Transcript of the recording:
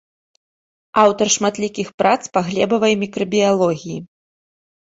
Аўтар шматлікіх прац па глебавай мікрабіялогіі.